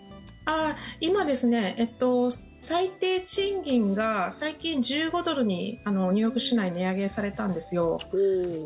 今、最低賃金が最近１５ドルにニューヨーク市内値上げされたんですよ。